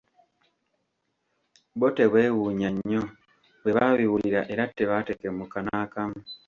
Bo tebeewuunya nnyo bwe baabiwulira era tebaatekemuka n'akamu.